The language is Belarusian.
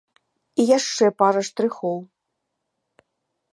І яшчэ пара штрыхоў.